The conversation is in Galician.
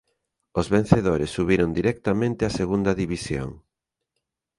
Os vencedores subiron directamente a Segunda División.